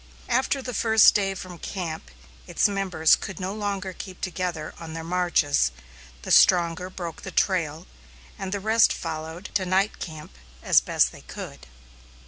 After the first day from camp, its members could no longer keep together on their marches. The stronger broke the trail, and the rest followed to night camp as best they could.